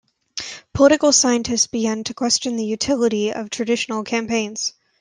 Political scientists began to question the utility of traditional campaigns.